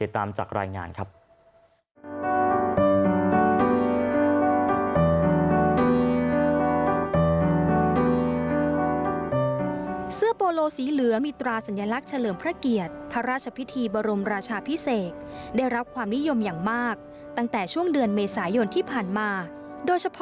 ตามจากรายงานครับ